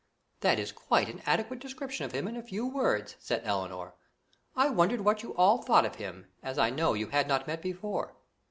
"That is quite an adequate description of him in a few words," said Elinor. "I wondered what you all thought of him, as I know you had not met before.